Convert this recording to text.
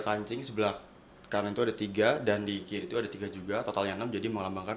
kancing sebelah kanan itu ada tiga dan di kiri itu ada tiga juga totalnya enam jadi mengambangkan